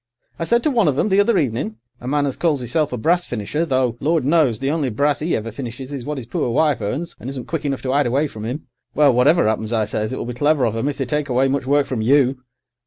I said to one of 'em, the other evening—a man as calls 'isself a brass finisher, though, Lord knows, the only brass 'e ever finishes is what 'is poor wife earns and isn't quick enough to 'ide away from 'im—well, whatever 'appens, I says, it will be clever of 'em if they take away much work from you.